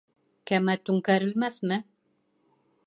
Кәмә түңкәрелмәҫме?